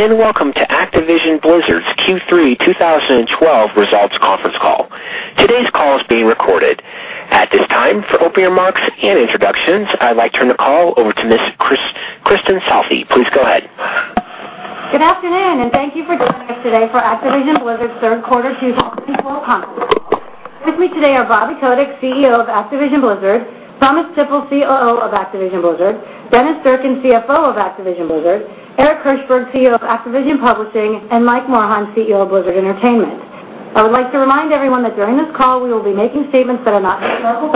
Good day. Welcome to Activision Blizzard's Q3 2012 results conference call. Today's call is being recorded. At this time, for opening remarks and introductions, I would like to turn the call over to Kristin Southey. Please go ahead. Good afternoon. Thank you for joining us today for Activision Blizzard's third quarter 2012 conference call. With me today are Bobby Kotick, CEO of Activision Blizzard, Thomas Tippl, COO of Activision Blizzard, Dennis Durkin, CFO of Activision Blizzard, Eric Hirshberg, CEO of Activision Publishing, and Mike Morhaime, CEO of Blizzard Entertainment. I would like to remind everyone that during this call, we will be making statements that are not historical.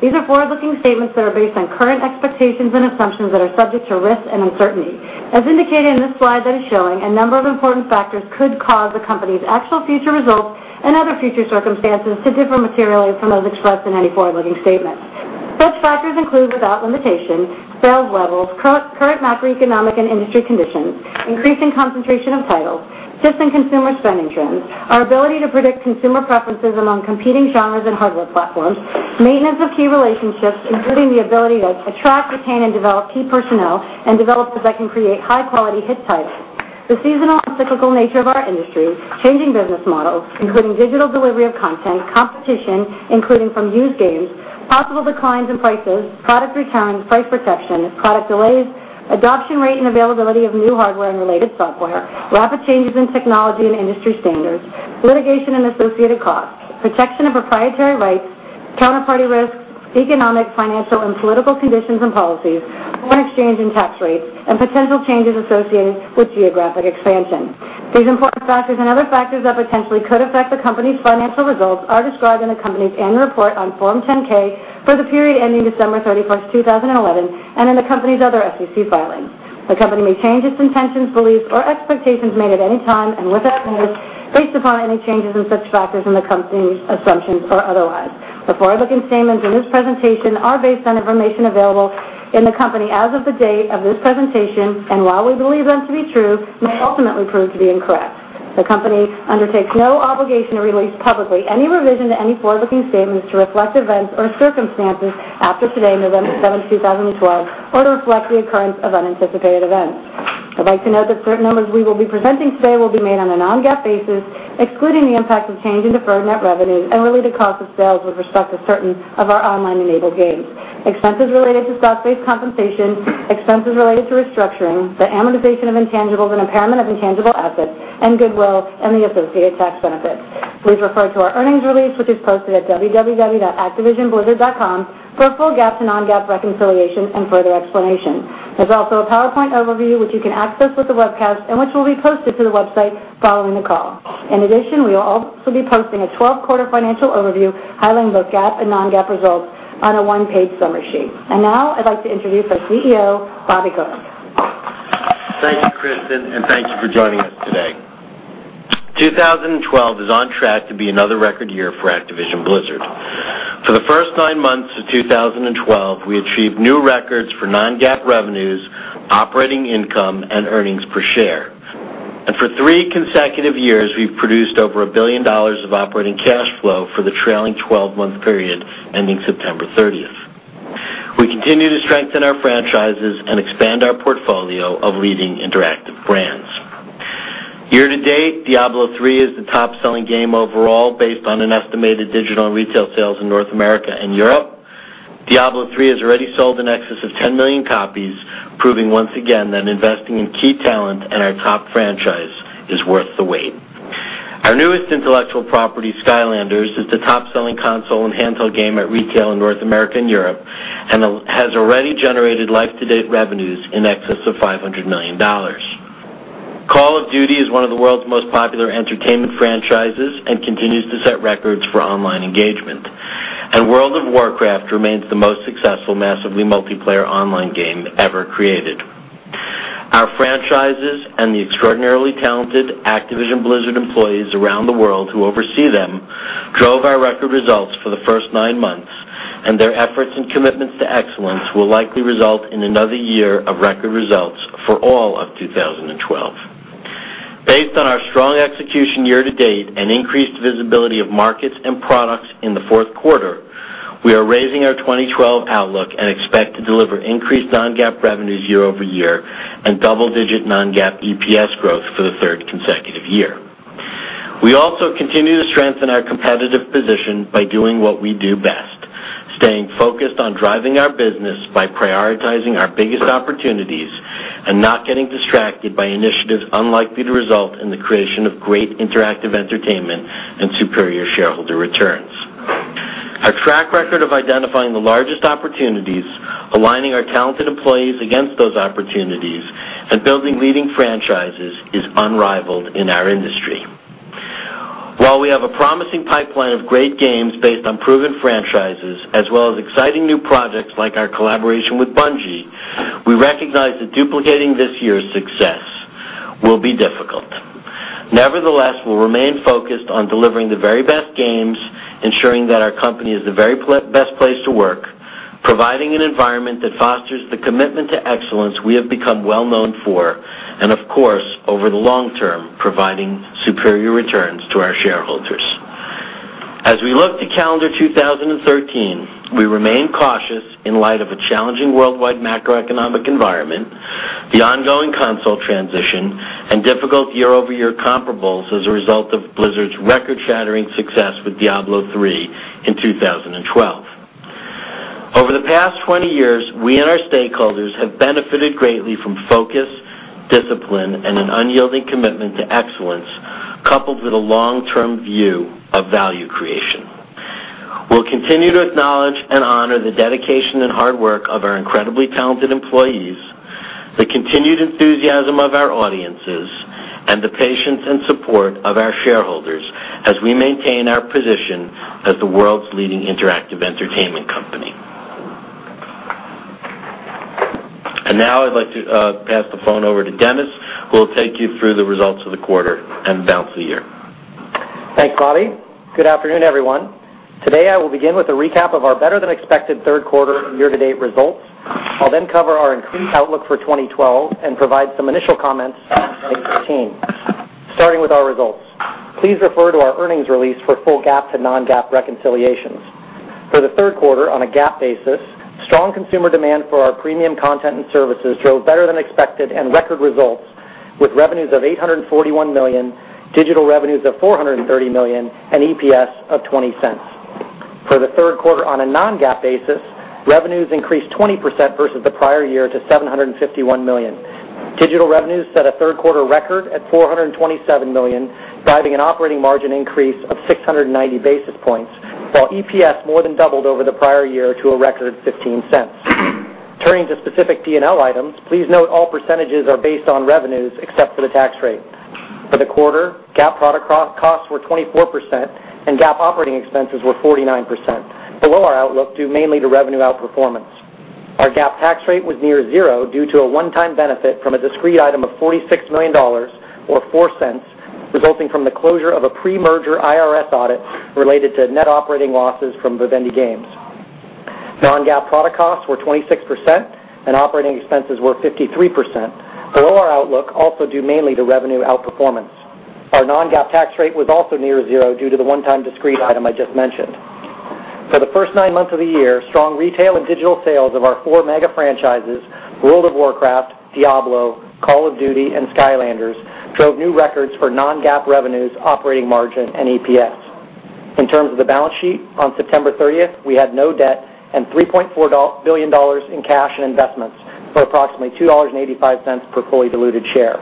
These are forward-looking statements that are based on current expectations and assumptions that are subject to risk and uncertainty. As indicated in this slide that is showing, a number of important factors could cause the company's actual future results and other future circumstances to differ materially from those expressed in any forward-looking statements. Such factors include, without limitation, sales levels, current macroeconomic and industry conditions, increasing concentration of titles, shifts in consumer spending trends, our ability to predict consumer preferences among competing genres and hardware platforms, maintenance of key relationships, including the ability to attract, retain, and develop key personnel and developers that can create high-quality hit titles, the seasonal and cyclical nature of our industry, changing business models, including digital delivery of content, competition, including from used games, possible declines in prices, product recounts, price protection, product delays, adoption rate, and availability of new hardware and related software, rapid changes in technology and industry standards, litigation and associated costs, protection of proprietary rights, counterparty risks, economic, financial, and political conditions and policies, foreign exchange and tax rates, and potential changes associated with geographic expansion. These important factors and other factors that potentially could affect the company's financial results are described in the company's annual report on Form 10-K for the period ending December 31st, 2011, and in the company's other SEC filings. The company may change its intentions, beliefs, or expectations made at any time and without notice based upon any changes in such factors in the company's assumptions or otherwise. The forward-looking statements in this presentation are based on information available in the company as of the date of this presentation, and while we believe them to be true, may ultimately prove to be incorrect. The company undertakes no obligation to release publicly any revision to any forward-looking statements to reflect events or circumstances after today, November 7th, 2012, or to reflect the occurrence of unanticipated events. I'd like to note that certain numbers we will be presenting today will be made on a non-GAAP basis, excluding the impact of change in deferred net revenue and related cost of sales with respect to certain of our online-enabled games. Expenses related to stock-based compensation, expenses related to restructuring, the amortization of intangibles and impairment of intangible assets and goodwill, and the associated tax benefits. Please refer to our earnings release, which is posted at www.activisionblizzard.com for a full GAAP to non-GAAP reconciliation and further explanation. There's also a PowerPoint overview, which you can access with the webcast and which will be posted to the website following the call. In addition, we will also be posting a 12-quarter financial overview highlighting both GAAP and non-GAAP results on a one-page summary sheet. Now I'd like to introduce our CEO, Bobby Kotick. Thank you, Kristin, thank you for joining us today. 2012 is on track to be another record year for Activision Blizzard. For the first nine months of 2012, we achieved new records for non-GAAP revenues, operating income, and earnings per share. For three consecutive years, we've produced over $1 billion of operating cash flow for the trailing 12-month period ending September 30th. We continue to strengthen our franchises and expand our portfolio of leading interactive brands. Year-to-date, Diablo III is the top-selling game overall based on an estimated digital and retail sales in North America and Europe. Diablo III has already sold in excess of 10 million copies, proving once again that investing in key talent and our top franchise is worth the wait. Our newest intellectual property, Skylanders, is the top-selling console and handheld game at retail in North America and Europe, and has already generated life-to-date revenues in excess of $500 million. Call of Duty is one of the world's most popular entertainment franchises and continues to set records for online engagement. World of Warcraft remains the most successful massively multiplayer online game ever created. Our franchises and the extraordinarily talented Activision Blizzard employees around the world who oversee them drove our record results for the first nine months, and their efforts and commitments to excellence will likely result in another year of record results for all of 2012. Based on our strong execution year-to-date and increased visibility of markets and products in the fourth quarter, we are raising our 2012 outlook and expect to deliver increased non-GAAP revenues year-over-year and double-digit non-GAAP EPS growth for the third consecutive year. We also continue to strengthen our competitive position by doing what we do best, staying focused on driving our business by prioritizing our biggest opportunities and not getting distracted by initiatives unlikely to result in the creation of great interactive entertainment and superior shareholder returns. Our track record of identifying the largest opportunities, aligning our talented employees against those opportunities, and building leading franchises is unrivaled in our industry. While we have a promising pipeline of great games based on proven franchises, as well as exciting new projects like our collaboration with Bungie, we recognize that duplicating this year's success will be difficult. Nevertheless, we'll remain focused on delivering the very best games, ensuring that our company is the very best place to work, providing an environment that fosters the commitment to excellence we have become well-known for, and of course, over the long term, providing superior returns to our shareholders. As we look to calendar 2013, we remain cautious in light of a challenging worldwide macroeconomic environment, the ongoing console transition, and difficult year-over-year comparables as a result of Blizzard's record-shattering success with Diablo III in 2012. Over the past 20 years, we and our stakeholders have benefited greatly from focus, discipline, and an unyielding commitment to excellence, coupled with a long-term view of value creation. We'll continue to acknowledge and honor the dedication and hard work of our incredibly talented employees, the continued enthusiasm of our audiences, and the patience and support of our shareholders as we maintain our position as the world's leading interactive entertainment company. Now I'd like to pass the phone over to Dennis, who will take you through the results of the quarter and the balance of the year. Thanks, Bobby. Good afternoon, everyone. Today, I will begin with a recap of our better-than-expected third quarter year-to-date results. I'll then cover our increased outlook for 2012 and provide some initial comments on 2013. Starting with our results. Please refer to our earnings release for full GAAP to non-GAAP reconciliations. For the third quarter, on a GAAP basis, strong consumer demand for our premium content and services drove better-than-expected and record results, with revenues of $841 million, digital revenues of $430 million, and EPS of $0.20. For the third quarter, on a non-GAAP basis, revenues increased 20% versus the prior year to $751 million. Digital revenues set a third-quarter record at $427 million, driving an operating margin increase of 690 basis points, while EPS more than doubled over the prior year to a record $0.15. Turning to specific P&L items, please note all percentages are based on revenues except for the tax rate. For the quarter, GAAP product costs were 24% and GAAP operating expenses were 49%, below our outlook due mainly to revenue outperformance. Our GAAP tax rate was near zero due to a one-time benefit from a discrete item of $46 million, or $0.04, resulting from the closure of a pre-merger IRS audit related to net operating losses from Vivendi Games. Non-GAAP product costs were 26%, and operating expenses were 53%, below our outlook, also due mainly to revenue outperformance. Our non-GAAP tax rate was also near zero due to the one-time discrete item I just mentioned. For the first nine months of the year, strong retail and digital sales of our four mega franchises, World of Warcraft, Diablo, Call of Duty, and Skylanders, drove new records for non-GAAP revenues, operating margin, and EPS. In terms of the balance sheet, on September 30th, we had no debt and $3.4 billion in cash and investments, for approximately $2.85 per fully diluted share.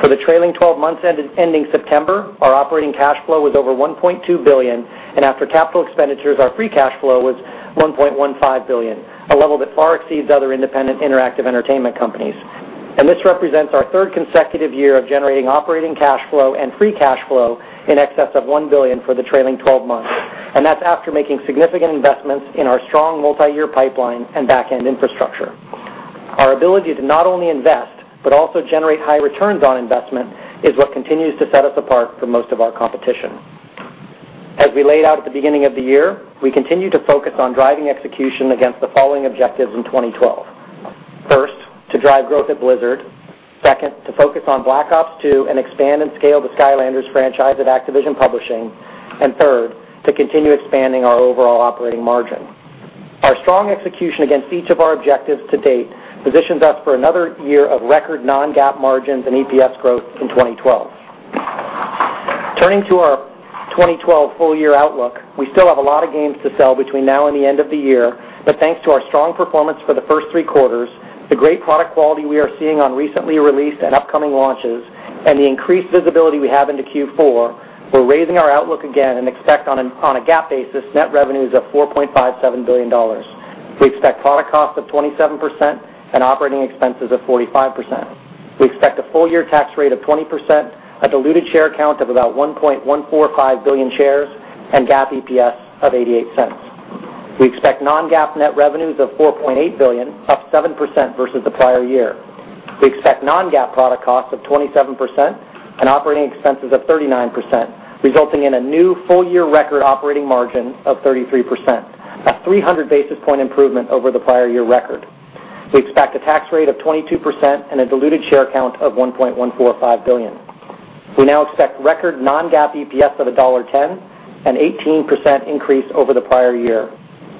For the trailing 12 months ending September, our operating cash flow was over $1.2 billion, and after capital expenditures, our free cash flow was $1.15 billion, a level that far exceeds other independent interactive entertainment companies. This represents our third consecutive year of generating operating cash flow and free cash flow in excess of $1 billion for the trailing 12 months. That's after making significant investments in our strong multi-year pipeline and back-end infrastructure. Our ability to not only invest but also generate high returns on investment is what continues to set us apart from most of our competition. As we laid out at the beginning of the year, we continue to focus on driving execution against the following objectives in 2012. First, to drive growth at Blizzard. Second, to focus on Black Ops II and expand and scale the Skylanders franchise at Activision Publishing. Third, to continue expanding our overall operating margin. Our strong execution against each of our objectives to date positions us for another year of record non-GAAP margins and EPS growth in 2012. Turning to our 2012 full-year outlook, we still have a lot of games to sell between now and the end of the year, but thanks to our strong performance for the first three quarters, the great product quality we are seeing on recently released and upcoming launches, and the increased visibility we have into Q4, we're raising our outlook again and expect on a GAAP basis net revenues of $4.57 billion. We expect product costs of 27% and operating expenses of 45%. We expect a full-year tax rate of 20%, a diluted share count of about 1.145 billion shares, and GAAP EPS of $0.88. We expect non-GAAP net revenues of $4.8 billion, up 7% versus the prior year. We expect non-GAAP product costs of 27% and operating expenses of 39%, resulting in a new full-year record operating margin of 33%, a 300-basis point improvement over the prior year record. We expect a tax rate of 22% and a diluted share count of 1.145 billion. We now expect record non-GAAP EPS of $1.10, an 18% increase over the prior year.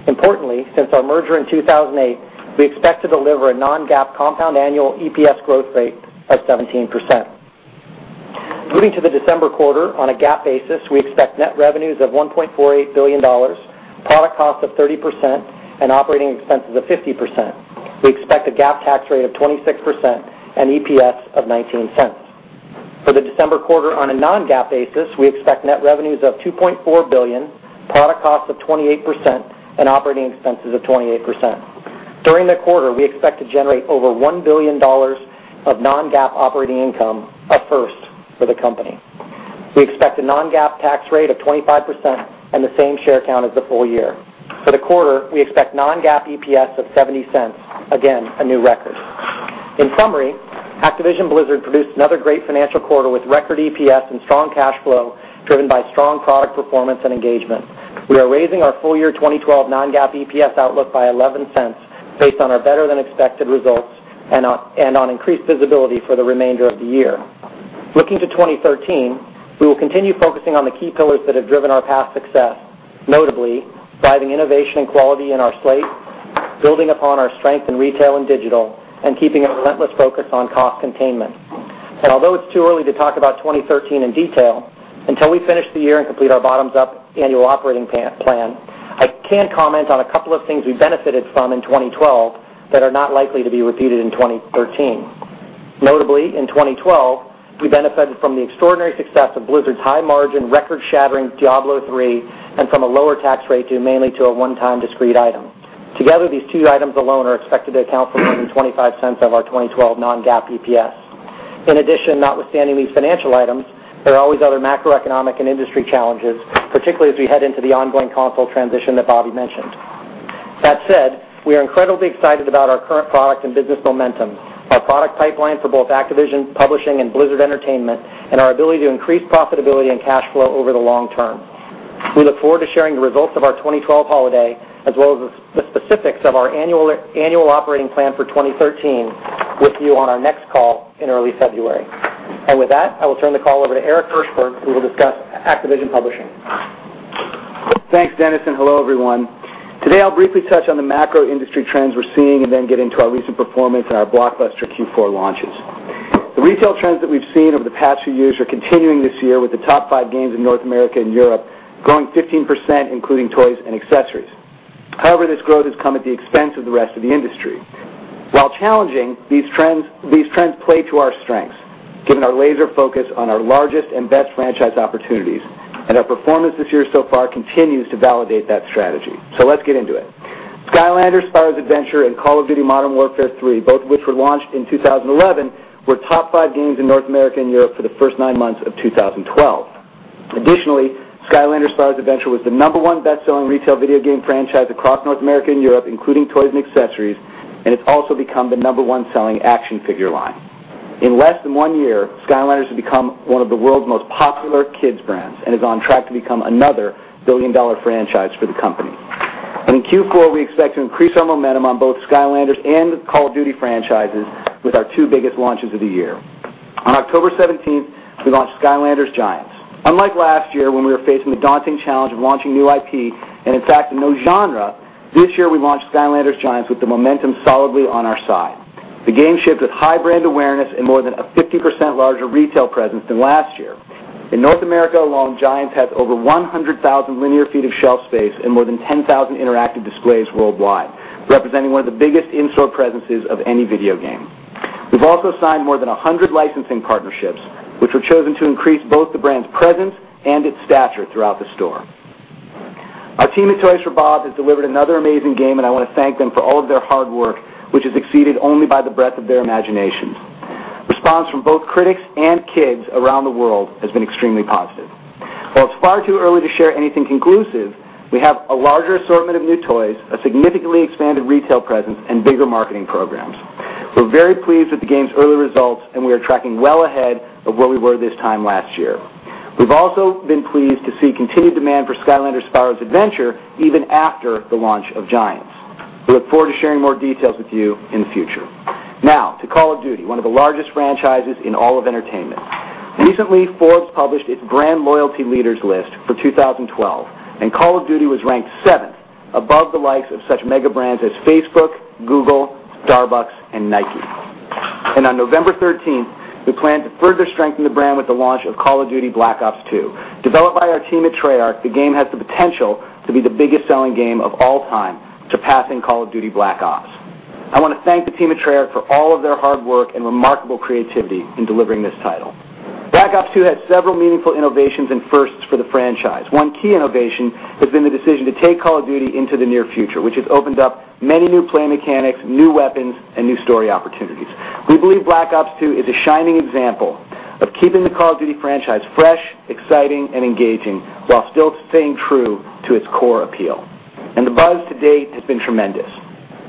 Importantly, since our merger in 2008, we expect to deliver a non-GAAP compound annual EPS growth rate of 17%. Moving to the December quarter, on a GAAP basis, we expect net revenues of $1.48 billion, product costs of 30%, and operating expenses of 50%. We expect a GAAP tax rate of 26% and EPS of $0.19. For the December quarter on a non-GAAP basis, we expect net revenues of $2.4 billion, product costs of 28% and operating expenses of 28%. During the quarter, we expect to generate over $1 billion of non-GAAP operating income, a first for the company. We expect a non-GAAP tax rate of 25% and the same share count as the full year. For the quarter, we expect non-GAAP EPS of $0.70. Again, a new record. In summary, Activision Blizzard produced another great financial quarter with record EPS and strong cash flow driven by strong product performance and engagement. We are raising our full-year 2012 non-GAAP EPS outlook by $0.11 based on our better-than-expected results and on increased visibility for the remainder of the year. Looking to 2013, we will continue focusing on the key pillars that have driven our past success, notably driving innovation and quality in our slate, building upon our strength in retail and digital, and keeping a relentless focus on cost containment. Although it's too early to talk about 2013 in detail, until we finish the year and complete our bottoms-up annual operating plan, I can comment on a couple of things we benefited from in 2012 that are not likely to be repeated in 2013. Notably, in 2012, we benefited from the extraordinary success of Blizzard's high-margin, record-shattering Diablo III, and from a lower tax rate due mainly to a one-time discrete item. Together, these two items alone are expected to account for more than $0.25 of our 2012 non-GAAP EPS. In addition, notwithstanding these financial items, there are always other macroeconomic and industry challenges, particularly as we head into the ongoing console transition that Bobby mentioned. That said, we are incredibly excited about our current product and business momentum, our product pipeline for both Activision Publishing and Blizzard Entertainment, and our ability to increase profitability and cash flow over the long term. We look forward to sharing the results of our 2012 holiday, as well as the specifics of our annual operating plan for 2013 with you on our next call in early February. With that, I will turn the call over to Eric Hirshberg, who will discuss Activision Publishing. Thanks, Dennis. Hello, everyone. Today, I'll briefly touch on the macro industry trends we're seeing and then get into our recent performance and our blockbuster Q4 launches. The retail trends that we've seen over the past few years are continuing this year with the top five games in North America and Europe growing 15%, including toys and accessories. However, this growth has come at the expense of the rest of the industry. While challenging, these trends play to our strengths, given our laser focus on our largest and best franchise opportunities, and our performance this year so far continues to validate that strategy. Let's get into it. Skylanders: Spyro's Adventure and Call of Duty: Modern Warfare 3, both of which were launched in 2011, were top five games in North America and Europe for the first nine months of 2012. Additionally, Skylanders: Spyro's Adventure was the number one best-selling retail video game franchise across North America and Europe, including toys and accessories, and it's also become the number one selling action figure line. In less than one year, Skylanders has become one of the world's most popular kids brands and is on track to become another billion-dollar franchise for the company. In Q4, we expect to increase our momentum on both Skylanders and Call of Duty franchises with our two biggest launches of the year. On October 17th, we launched Skylanders Giants. Unlike last year, when we were facing the daunting challenge of launching new IP and attracting no genre, this year, we launched Skylanders Giants with the momentum solidly on our side. The game shipped with high brand awareness and more than a 50% larger retail presence than last year. In North America alone, Giants has over 100,000 linear feet of shelf space and more than 10,000 interactive displays worldwide, representing one of the biggest in-store presences of any video game. We've also signed more than 100 licensing partnerships, which were chosen to increase both the brand's presence and its stature throughout the store. Our team at Toys for Bob has delivered another amazing game, and I want to thank them for all of their hard work, which is exceeded only by the breadth of their imaginations. Response from both critics and kids around the world has been extremely positive. While it's far too early to share anything conclusive, we have a larger assortment of new toys, a significantly expanded retail presence, and bigger marketing programs. We're very pleased with the game's early results, and we are tracking well ahead of where we were this time last year. We've also been pleased to see continued demand for Skylanders: Spyro's Adventure even after the launch of Giants. We look forward to sharing more details with you in the future. Now, to Call of Duty, one of the largest franchises in all of entertainment. Recently, Forbes published its Brand Keys Loyalty Leaders list for 2012, and Call of Duty was ranked seventh above the likes of such mega brands as Facebook, Google, Starbucks, and Nike. On November 13th, we plan to further strengthen the brand with the launch of Call of Duty: Black Ops II. Developed by our team at Treyarch, the game has the potential to be the biggest-selling game of all time passing Call of Duty: Black Ops. I want to thank the team at Treyarch for all of their hard work and remarkable creativity in delivering this title. Black Ops II had several meaningful innovations and firsts for the franchise. One key innovation has been the decision to take Call of Duty into the near future, which has opened up many new playing mechanics, new weapons, and new story opportunities. We believe Black Ops II is a shining example of keeping the Call of Duty franchise fresh, exciting, and engaging while still staying true to its core appeal. The buzz to date has been tremendous.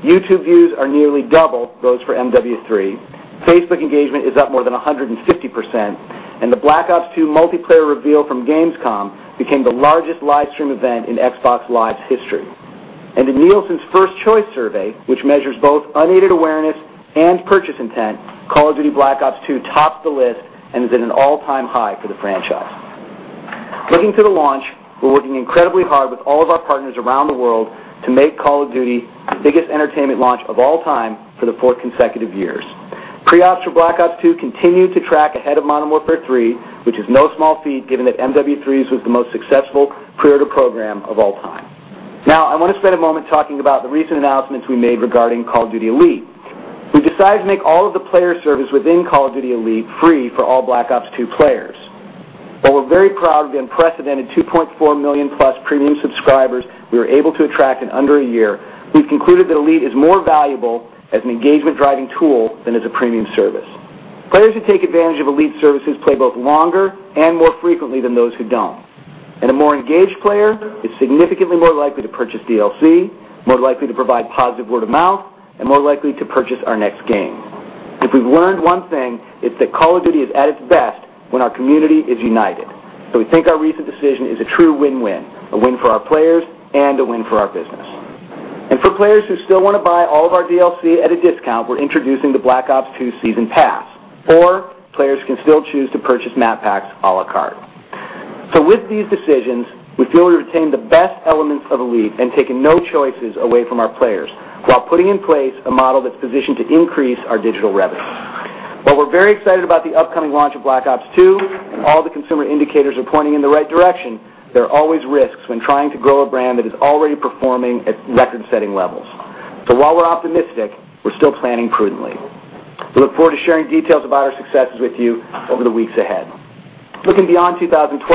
YouTube views are nearly double those for MW3. Facebook engagement is up more than 150%, and the Black Ops II multiplayer reveal from Gamescom became the largest livestream event in Xbox Live's history. In Nielsen's First Choice survey, which measures both unaided awareness and purchase intent, Call of Duty: Black Ops II tops the list and is at an all-time high for the franchise. Looking to the launch, we're working incredibly hard with all of our partners around the world to make Call of Duty the biggest entertainment launch of all time for the fourth consecutive years. Pre-ops for Black Ops II continue to track ahead of Modern Warfare III, which is no small feat given that MW3's was the most successful pre-order program of all time. I want to spend a moment talking about the recent announcements we made regarding Call of Duty: Elite. We've decided to make all of the player service within Call of Duty: Elite free for all Black Ops II players. While we're very proud of the unprecedented 2.4 million-plus premium subscribers we were able to attract in under a year, we've concluded that Elite is more valuable as an engagement-driving tool than as a premium service. Players who take advantage of Elite services play both longer and more frequently than those who don't. A more engaged player is significantly more likely to purchase DLC, more likely to provide positive word of mouth, and more likely to purchase our next game. If we've learned one thing, it's that Call of Duty is at its best when our community is united. We think our recent decision is a true win-win, a win for our players and a win for our business. For players who still want to buy all of our DLC at a discount, we're introducing the Black Ops II Season Pass, or players can still choose to purchase map packs à la carte. With these decisions, we feel we retain the best elements of Elite and taken no choices away from our players while putting in place a model that's positioned to increase our digital revenue. While we're very excited about the upcoming launch of Black Ops II, all the consumer indicators are pointing in the right direction, there are always risks when trying to grow a brand that is already performing at record-setting levels. While we're optimistic, we're still planning prudently. We look forward to sharing details about our successes with you over the weeks ahead. Looking beyond 2012,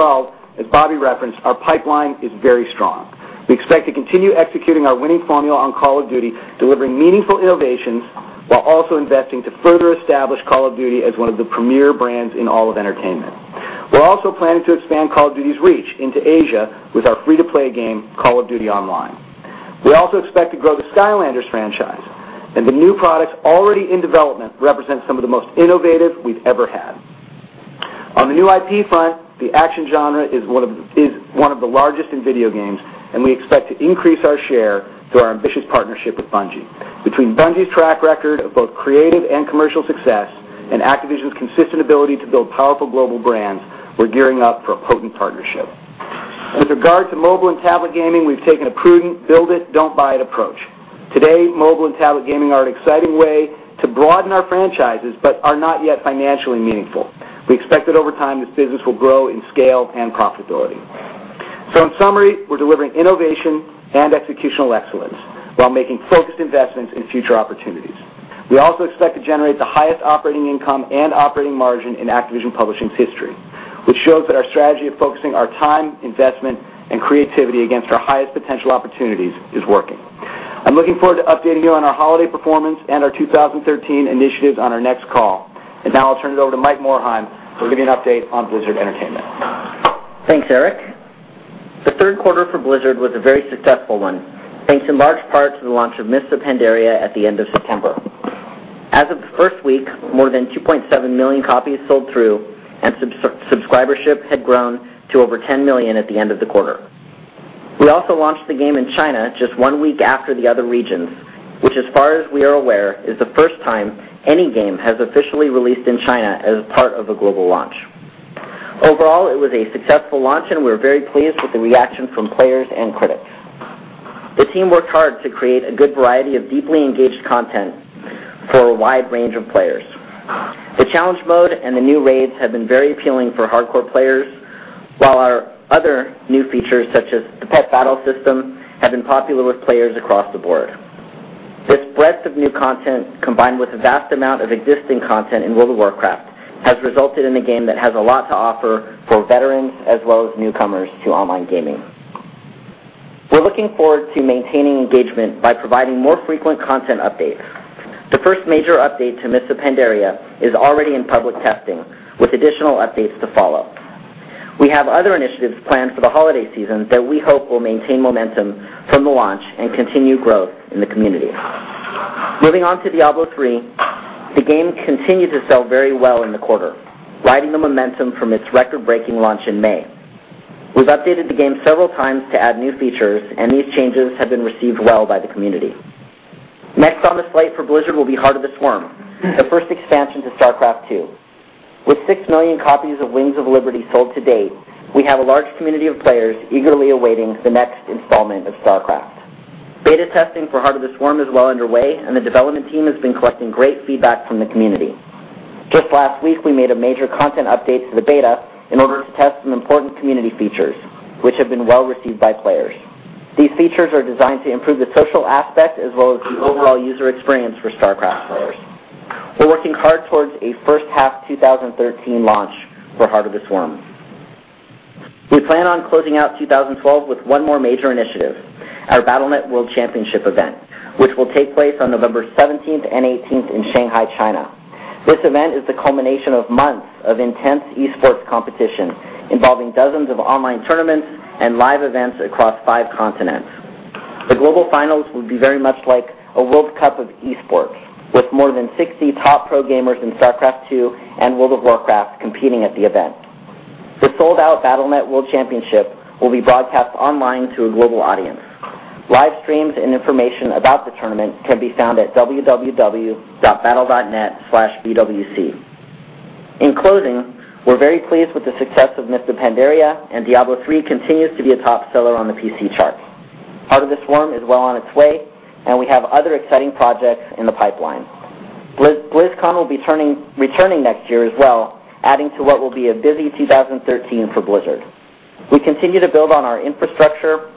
as Bobby referenced, our pipeline is very strong. We expect to continue executing our winning formula on Call of Duty, delivering meaningful innovations while also investing to further establish Call of Duty as one of the premier brands in all of entertainment. We're also planning to expand Call of Duty's reach into Asia with our free-to-play game, Call of Duty Online. We also expect to grow the Skylanders franchise. The new products already in development represent some of the most innovative we've ever had. On the new IP front, the action genre is one of the largest in video games, and we expect to increase our share through our ambitious partnership with Bungie. Between Bungie's track record of both creative and commercial success and Activision's consistent ability to build powerful global brands, we're gearing up for a potent partnership. With regard to mobile and tablet gaming, we've taken a prudent build it, don't buy it approach. Today, mobile and tablet gaming are an exciting way to broaden our franchises but are not yet financially meaningful. We expect that over time, this business will grow in scale and profitability. In summary, we're delivering innovation and executional excellence while making focused investments in future opportunities. We also expect to generate the highest operating income and operating margin in Activision Publishing's history, which shows that our strategy of focusing our time, investment, and creativity against our highest potential opportunities is working. I'm looking forward to updating you on our holiday performance and our 2013 initiatives on our next call. Now I'll turn it over to Mike Morhaime, who will give you an update on Blizzard Entertainment. Thanks, Eric. The third quarter for Blizzard was a very successful one, thanks in large part to the launch of "Mists of Pandaria" at the end of September. As of the first week, more than 2.7 million copies sold through, and subscribership had grown to over 10 million at the end of the quarter. We also launched the game in China just one week after the other regions, which as far as we are aware, is the first time any game has officially released in China as part of a global launch. It was a successful launch, and we're very pleased with the reaction from players and critics. The team worked hard to create a good variety of deeply engaged content for a wide range of players. The challenge mode and the new raids have been very appealing for hardcore players, while our other new features, such as the pet battle system, have been popular with players across the board. This breadth of new content, combined with a vast amount of existing content in "World of Warcraft," has resulted in a game that has a lot to offer for veterans as well as newcomers to online gaming. We're looking forward to maintaining engagement by providing more frequent content updates. The first major update to "Mists of Pandaria" is already in public testing, with additional updates to follow. We have other initiatives planned for the holiday season that we hope will maintain momentum from the launch and continue growth in the community. Moving on to "Diablo III," the game continued to sell very well in the quarter, riding the momentum from its record-breaking launch in May. We've updated the game several times to add new features, these changes have been received well by the community. Next on the slate for Blizzard will be "Heart of the Swarm," the first expansion to "StarCraft II." With 6 million copies of "Wings of Liberty" sold to date, we have a large community of players eagerly awaiting the next installment of "StarCraft." Beta testing for "Heart of the Swarm" is well underway, and the development team has been collecting great feedback from the community. Just last week, we made a major content update to the beta in order to test some important community features, which have been well-received by players. These features are designed to improve the social aspect as well as the overall user experience for "StarCraft" players. We're working hard towards a first-half 2013 launch for Heart of the Swarm. We plan on closing out 2012 with one more major initiative, our Battle.net World Championship event, which will take place on November 17th and 18th in Shanghai, China. This event is the culmination of months of intense e-sports competition, involving dozens of online tournaments and live events across five continents. The global finals will be very much like a World Cup of e-sports, with more than 60 top pro gamers in StarCraft II and World of Warcraft competing at the event. The sold-out Battle.net World Championship will be broadcast online to a global audience. Live streams and information about the tournament can be found at www.battle.net/bwc. In closing, we're very pleased with the success of Mists of Pandaria, Diablo III continues to be a top seller on the PC charts. Heart of the Swarm is well on its way, we have other exciting projects in the pipeline. BlizzCon will be returning next year as well, adding to what will be a busy 2013 for Blizzard. We continue to build on our infrastructure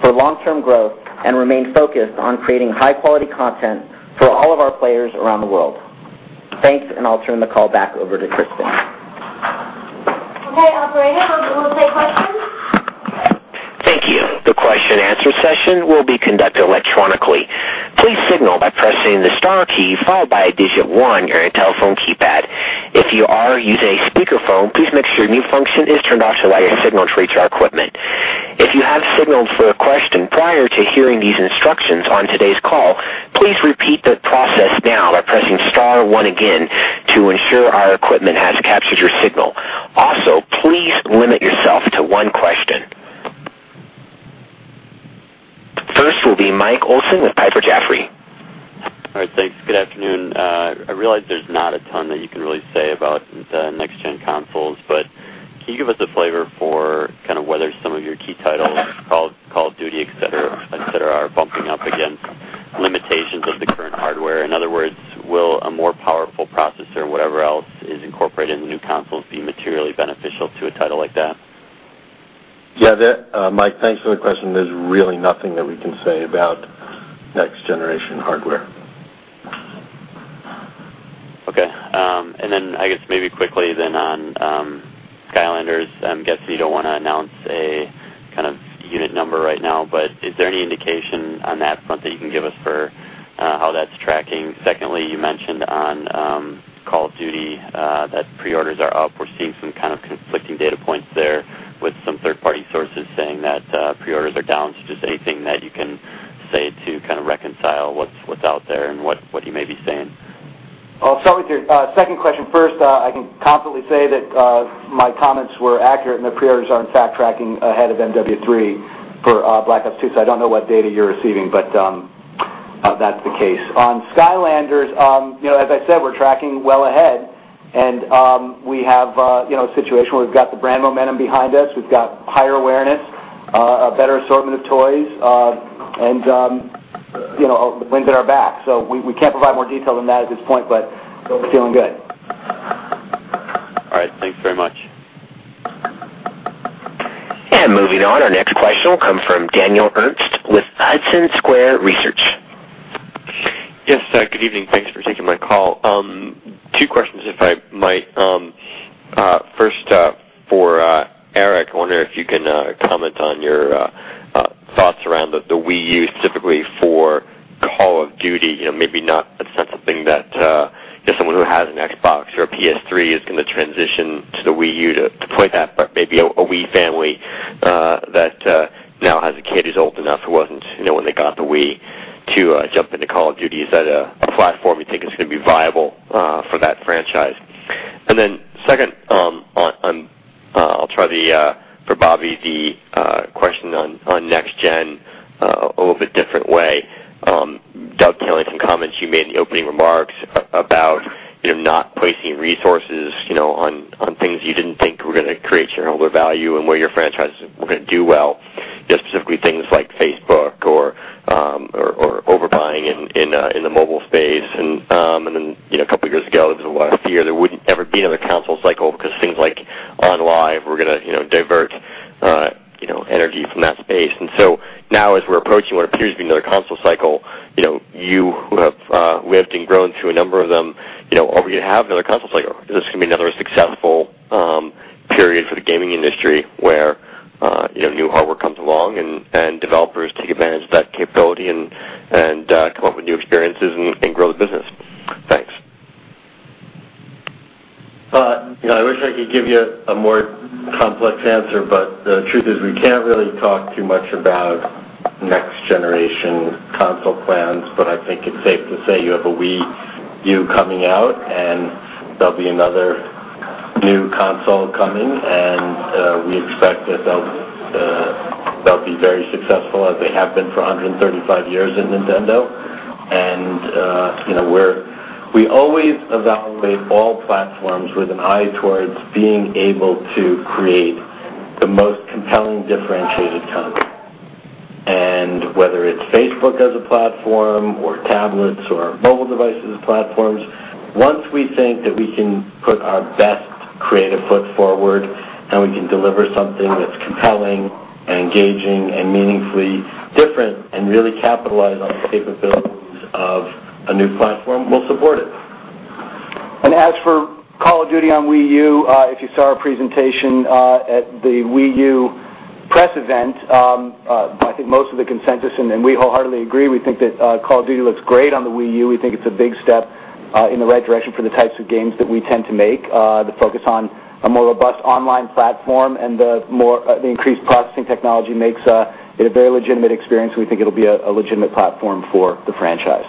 for long-term growth and remain focused on creating high-quality content for all of our players around the world. Thanks, I'll turn the call back over to Kristin. Okay, operator, we'll take questions. Thank you. The question and answer session will be conducted electronically. Please signal by pressing the star key followed by a digit 1 on your telephone keypad. If you are using a speakerphone, please make sure mute function is turned off so that your signal can reach our equipment. If you have signaled for a question Hearing these instructions on today's call, please repeat the process now by pressing star one again to ensure our equipment has captured your signal. Also, please limit yourself to one question. First will be Michael Olson with Piper Jaffray. All right. Thanks. Good afternoon. I realize there's not a ton that you can really say about next-gen consoles, but can you give us a flavor for whether some of your key titles, "Call of Duty," et cetera, are bumping up against limitations of the current hardware? In other words, will a more powerful processor and whatever else is incorporated in the new consoles be materially beneficial to a title like that? Yeah. Mike, thanks for the question. There's really nothing that we can say about next generation hardware. Okay. I guess maybe quickly then on "Skylanders," I'm guessing you don't want to announce a unit number right now, but is there any indication on that front that you can give us for how that's tracking? Secondly, you mentioned on "Call of Duty" that pre-orders are up. We're seeing some conflicting data points there with some third-party sources saying that pre-orders are down. Just anything that you can say to reconcile what's out there and what you may be seeing. I'll start with your second question first. I can confidently say that my comments were accurate, and the pre-orders are in fact tracking ahead of MW3 for "Black Ops II." I don't know what data you're receiving, but that's the case. On "Skylanders," as I said, we're tracking well ahead, and we have a situation where we've got the brand momentum behind us. We've got higher awareness, a better assortment of toys, and the wind's at our back. We can't provide more detail than that at this point, but we're feeling good. All right. Thanks very much. Moving on. Our next question will come from Daniel Ernst with Hudson Square Research. Yes. Good evening. Thanks for taking my call. Two questions, if I might. First, for Eric, I wonder if you can comment on your thoughts around the Wii U, specifically for Call of Duty. Maybe not a sense of being that someone who has an Xbox or a PS3 is going to transition to the Wii U to play that, but maybe a Wii family that now has a kid who's old enough who wasn't when they got the Wii to jump into Call of Duty. Is that a platform you think is going to be viable for that franchise? Then second, I'll try for Bobby, the question on next gen a little bit different way. Doug, tailing some comments you made in the opening remarks about not placing resources on things you didn't think were going to create shareholder value and where your franchises were going to do well, specifically things like Facebook or overbuying in the mobile space. Then a couple of years ago, there was a lot of fear there wouldn't ever be another console cycle because things like OnLive were going to divert energy from that space. So now as we're approaching what appears to be another console cycle, you who have lived and grown through a number of them, are we going to have another console cycle? Is this going to be another successful period for the gaming industry where new hardware comes along and developers take advantage of that capability and come up with new experiences and grow the business? Thanks. I wish I could give you a more complex answer, the truth is we can't really talk too much about next generation console plans. I think it's safe to say you have a Wii U coming out, there'll be another new console coming, we expect that they'll be very successful as they have been for 123 years at Nintendo. We always evaluate all platforms with an eye towards being able to create the most compelling differentiated content. Whether it's Facebook as a platform or tablets or mobile devices as platforms, once we think that we can put our best creative foot forward and we can deliver something that's compelling and engaging and meaningfully different and really capitalize on the capabilities of a new platform, we'll support it. As for Call of Duty on Wii U, if you saw our presentation at the Wii U press event, I think most of the consensus, and we wholeheartedly agree, we think that Call of Duty looks great on the Wii U. We think it's a big step in the right direction for the types of games that we tend to make. The focus on a more robust online platform and the increased processing technology makes it a very legitimate experience, and we think it'll be a legitimate platform for the franchise.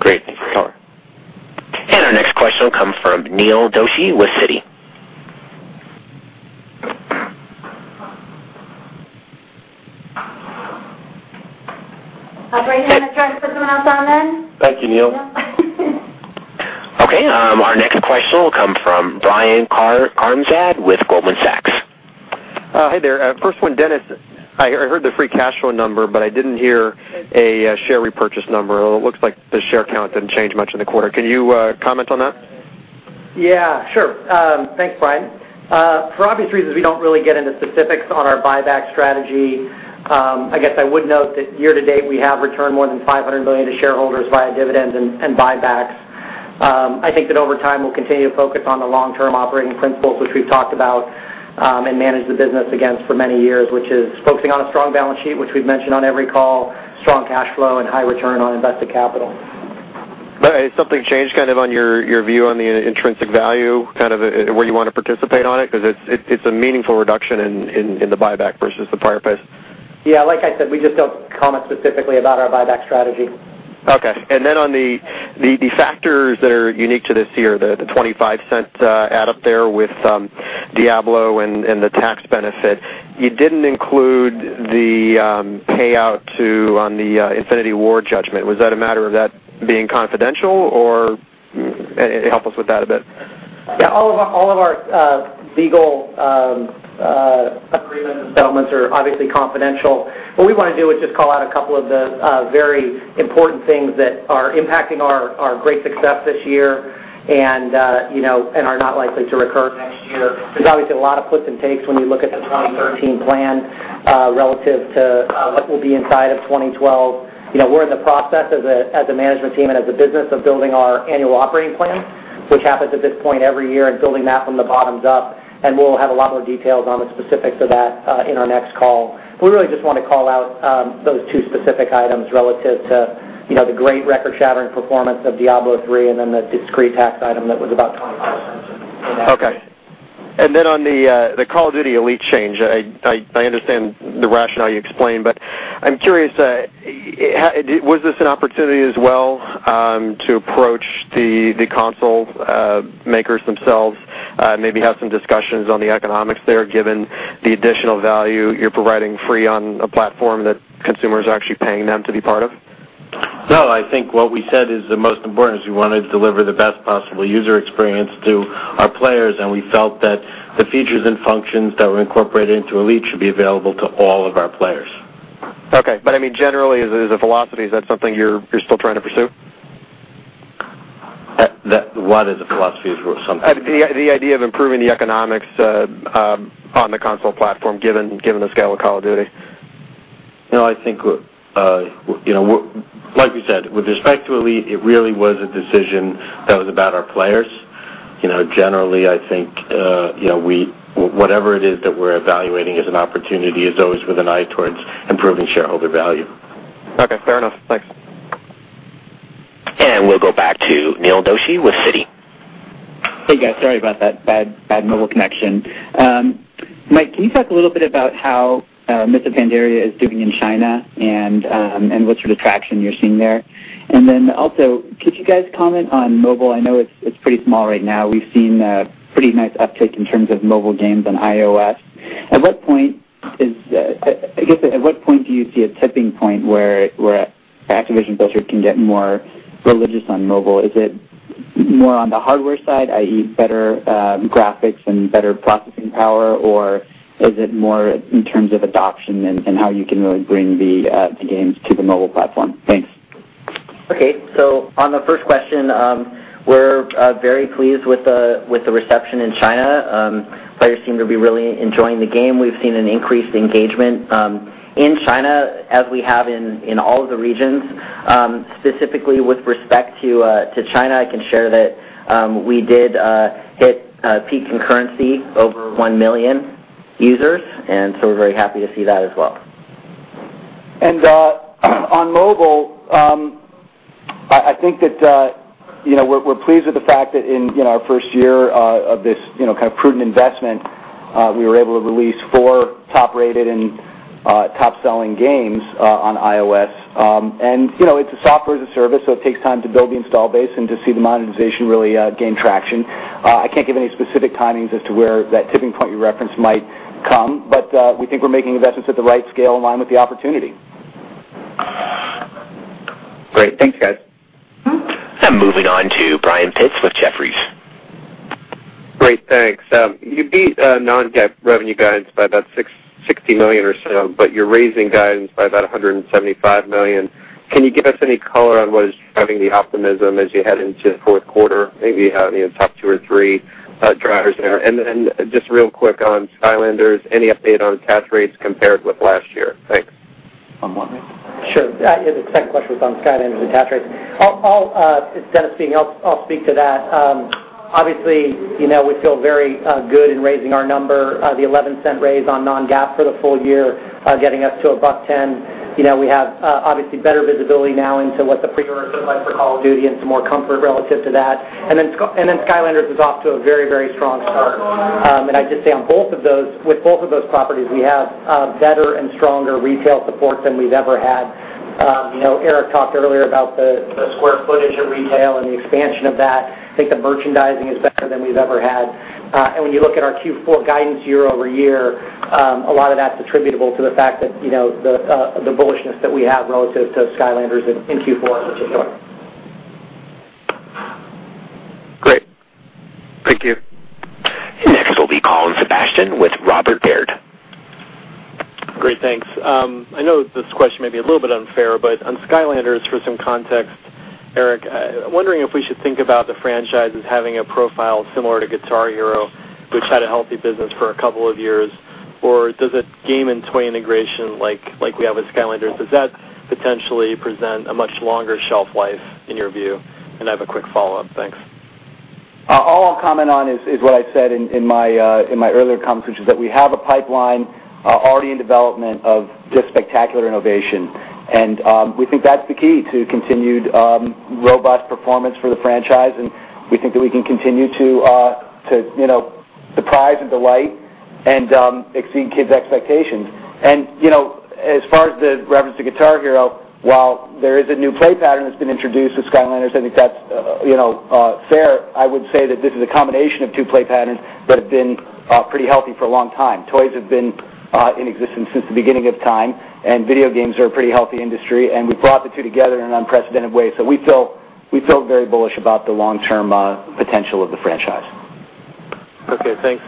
Great. Thanks for the color. Our next question will come from Neil Doshi with Citi. Operator, I'm going to try and put someone else on then. Thank you, Neil. Nope. Okay. Our next question will come from Brian Karimzad with Goldman Sachs. Hi there. First one, Dennis. I heard the free cash flow number, but I didn't hear a share repurchase number. It looks like the share count didn't change much in the quarter. Can you comment on that? Yeah. Sure. Thanks, Brian. For obvious reasons, we don't really get into specifics on our buyback strategy. I guess I would note that year to date, we have returned more than $500 million to shareholders via dividends and buybacks. I think that over time, we'll continue to focus on the long-term operating principles, which we've talked about, and manage the business again for many years, which is focusing on a strong balance sheet, which we've mentioned on every call, strong cash flow and high return on invested capital. Has something changed on your view on the intrinsic value, where you want to participate on it? Because it's a meaningful reduction in the buyback versus the prior pace. Yeah, like I said, we just don't comment specifically about our buyback strategy. Okay. Then on the factors that are unique to this year, the $0.25 add up there with Diablo and the tax benefit, you didn't include the payout on the Infinity Ward judgment. Was that a matter of that being confidential, or help us with that a bit? Yeah. All of our legal agreements and settlements are obviously confidential. What we want to do is just call out a couple of the very important things that are impacting our great success this year and are not likely to recur next year. There's obviously a lot of puts and takes when you look at the 2013 plan relative to what will be inside of 2012. We're in the process as a management team and as a business of building our annual operating plan, which happens at this point every year, and building that from the bottoms up, and we'll have a lot more details on the specifics of that in our next call. We really just want to call out those two specific items relative to the great record-shattering performance of Diablo III, and then the discrete tax item that was about $0.25 in that. Okay. On the Call of Duty Elite change, I understand the rationale you explained, but I'm curious, was this an opportunity as well to approach the console makers themselves, maybe have some discussions on the economics there, given the additional value you're providing free on a platform that consumers are actually paying them to be part of? No, I think what we said is the most important, is we wanted to deliver the best possible user experience to our players, and we felt that the features and functions that were incorporated into Elite should be available to all of our players. Okay. I mean, generally, as a philosophy, is that something you're still trying to pursue? What as a philosophy is something- The idea of improving the economics on the console platform, given the scale of Call of Duty. No, I think, like we said, with respect to Elite, it really was a decision that was about our players. Generally, I think whatever it is that we're evaluating as an opportunity is always with an eye towards improving shareholder value. Okay. Fair enough. Thanks. We'll go back to Neil Doshi with Citi. Hey, guys. Sorry about that. Bad mobile connection. Mike, can you talk a little bit about how Mists of Pandaria is doing in China and what sort of traction you're seeing there? Then also, could you guys comment on mobile? I know it's pretty small right now. We've seen a pretty nice uptick in terms of mobile games on iOS. I guess, at what point do you see a tipping point where Activision Blizzard can get more religious on mobile? Is it more on the hardware side, i.e., better graphics and better processing power, or is it more in terms of adoption and how you can really bring the games to the mobile platform? Thanks. On the first question, we're very pleased with the reception in China. Players seem to be really enjoying the game. We've seen an increased engagement in China as we have in all of the regions. Specifically with respect to China, I can share that we did hit peak concurrency over 1 million users, we're very happy to see that as well. On mobile, I think that we're pleased with the fact that in our first year of this prudent investment, we were able to release four top-rated and top-selling games on iOS. It's a software as a service, it takes time to build the install base and to see the monetization really gain traction. I can't give any specific timings as to where that tipping point you referenced might come, we think we're making investments at the right scale in line with the opportunity. Great. Thanks, guys. Moving on to Brian Pitz with Jefferies. Great. Thanks. You beat non-GAAP revenue guidance by about $60 million or so, you're raising guidance by about $175 million. Can you give us any color on what is driving the optimism as you head into the fourth quarter? Maybe top two or three drivers there. Just real quick on Skylanders, any update on attach rates compared with last year? Thanks. On what, Mike? Sure. Yeah, the second question was on Skylanders attach rates. Since Dennis is speaking, I'll speak to that. Obviously, we feel very good in raising our number, the $0.11 raise on non-GAAP for the full year, getting us to a $1.10. We have obviously better visibility now into what the pre-orders look like for Call of Duty and some more comfort relative to that. Skylanders is off to a very, very strong start. I'd just say with both of those properties, we have better and stronger retail support than we've ever had. Eric talked earlier about the square footage at retail and the expansion of that. I think the merchandising is better than we've ever had. When you look at our Q4 guidance year-over-year, a lot of that's attributable to the fact that the bullishness that we have relative to Skylanders in Q4 in particular. Great. Thank you. Next will be Colin Sebastian with Robert Baird. Great. Thanks. I know this question may be a little bit unfair. On Skylanders, for some context, Eric, I'm wondering if we should think about the franchise as having a profile similar to Guitar Hero, which had a healthy business for a couple of years. Does a game and toy integration like we have with Skylanders, does that potentially present a much longer shelf life in your view? I have a quick follow-up. Thanks. All I'll comment on is what I said in my earlier conference, which is that we have a pipeline already in development of just spectacular innovation. We think that's the key to continued robust performance for the franchise, and we think that we can continue to surprise and delight and exceed kids' expectations. As far as the reference to Guitar Hero, while there is a new play pattern that's been introduced with Skylanders, I think that's fair. I would say that this is a combination of two play patterns that have been pretty healthy for a long time. Toys have been in existence since the beginning of time, and video games are a pretty healthy industry, and we've brought the two together in an unprecedented way. We feel very bullish about the long-term potential of the franchise. Okay, thanks.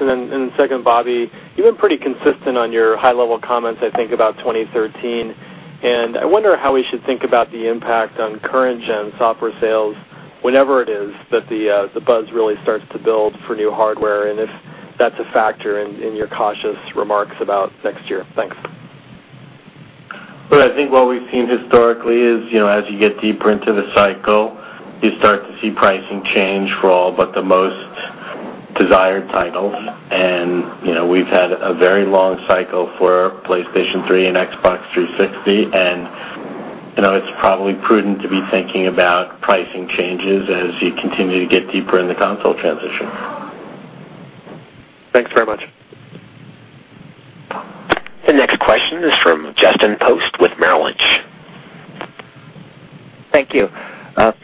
Second, Bobby, you've been pretty consistent on your high-level comments, I think, about 2013, and I wonder how we should think about the impact on current gen software sales, whenever it is that the buzz really starts to build for new hardware, and if that's a factor in your cautious remarks about next year. Thanks. Well, I think what we've seen historically is, as you get deeper into the cycle, you start to see pricing change for all but the most desired titles. We've had a very long cycle for PlayStation 3 and Xbox 360, and it's probably prudent to be thinking about pricing changes as you continue to get deeper in the console transition. Thanks very much. The next question is from Justin Post with Merrill Lynch. Thank you.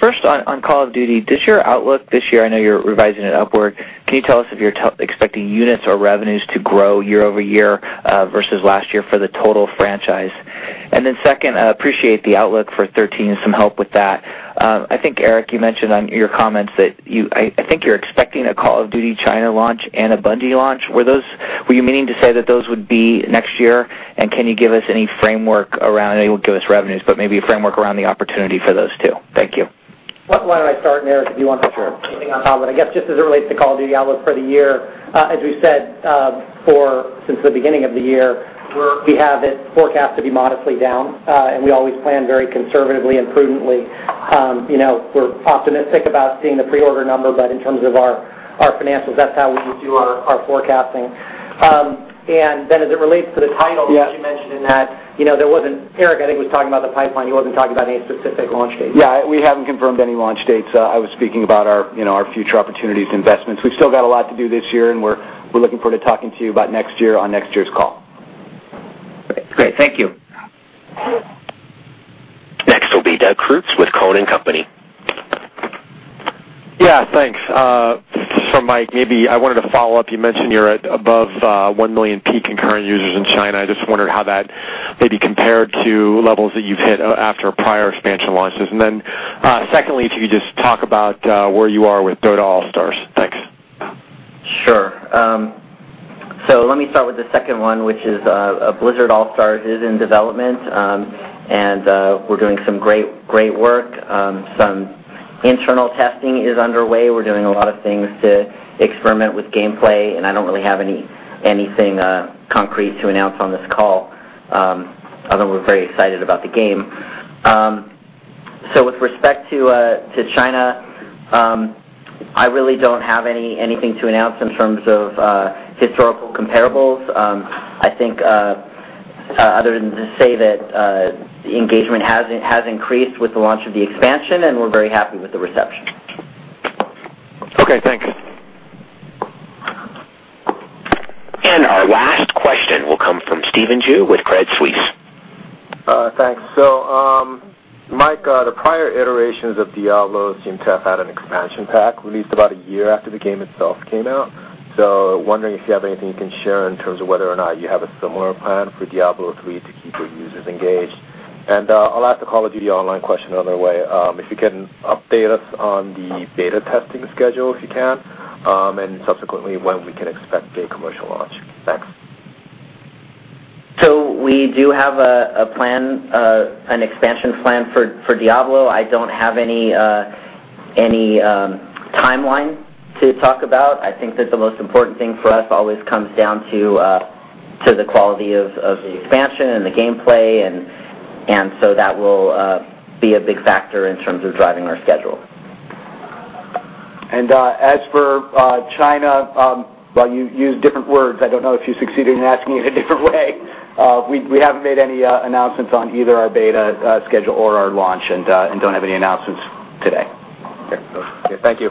First on "Call of Duty," does your outlook this year, I know you're revising it upward, can you tell us if you're expecting units or revenues to grow year-over-year versus last year for the total franchise? Then second, appreciate the outlook for 2013, and some help with that. I think, Eric, you mentioned on your comments that I think you're expecting a "Call of Duty" China launch and a Bungie launch. Were you meaning to say that those would be next year? Can you give us any framework around, I know you won't give us revenues, but maybe a framework around the opportunity for those two? Thank you. Why don't I start, and Eric, if you want to- Sure chime in on top. I guess just as it relates to "Call of Duty" outlook for the year, as we said since the beginning of the year, we have it forecast to be modestly down. We always plan very conservatively and prudently. We're optimistic about seeing the pre-order number, but in terms of our financials, that's how we do our forecasting. Then as it relates to the titles- Yeah As you mentioned in that, Eric, I think, was talking about the pipeline. He wasn't talking about any specific launch dates. Yeah, we haven't confirmed any launch dates. I was speaking about our future opportunities and investments. We've still got a lot to do this year, and we're looking forward to talking to you about next year on next year's call. Great. Thank you. Next will be Doug Creutz with Cowen and Company. Thanks. Mike, maybe I wanted to follow up. You mentioned you're at above 1 million peak concurrent users in China. I just wondered how that maybe compared to levels that you've hit after prior expansion launches. Secondly, if you could just talk about where you are with "Blizzard All-Stars." Thanks. Sure. Let me start with the second one, which is "Blizzard All-Stars" is in development. We're doing some great work. Some internal testing is underway. We're doing a lot of things to experiment with gameplay. I don't really have anything concrete to announce on this call. Other than we're very excited about the game. With respect to China, I really don't have anything to announce in terms of historical comparables. I think other than to say that the engagement has increased with the launch of the expansion. We're very happy with the reception. Okay, thanks. Our last question will come from Stephen Ju with Credit Suisse. Thanks. Mike, the prior iterations of Diablo seem to have had an expansion pack released about a year after the game itself came out. Wondering if you have anything you can share in terms of whether or not you have a similar plan for Diablo III to keep your users engaged. I'll ask a Call of Duty Online question on the way. If you can update us on the beta testing schedule, if you can, and subsequently when we can expect a commercial launch. Thanks. We do have an expansion plan for Diablo. I don't have any timeline to talk about. I think that the most important thing for us always comes down to the quality of the expansion and the gameplay, and so that will be a big factor in terms of driving our schedule. As for China, while you use different words, I don't know if you succeeded in asking it a different way we haven't made any announcements on either our beta schedule or our launch and don't have any announcements today. Okay. Thank you.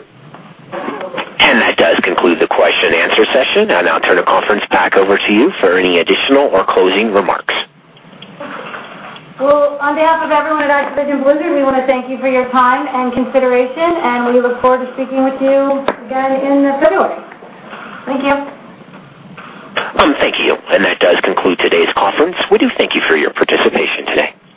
That does conclude the question and answer session. I'll now turn the conference back over to you for any additional or closing remarks. On behalf of everyone at Activision Blizzard, we want to thank you for your time and consideration, and we look forward to speaking with you again in February. Thank you. Thank you. That does conclude today's conference. We do thank you for your participation today.